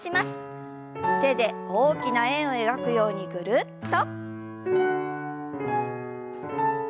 手で大きな円を描くようにぐるっと。